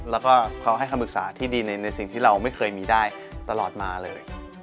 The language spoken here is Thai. แล้วก็เขาให้คำปรึกษาที่ดีในสิ่งที่เราไม่เคยมีได้ตลอดมาเลย